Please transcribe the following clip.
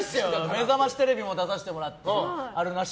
「めざましテレビ」も出させてもらってあるなし